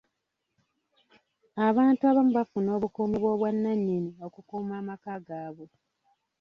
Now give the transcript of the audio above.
Abantu abamu bafuna abakuumi ab'obwannannyini okukuuma amaka gaabwe.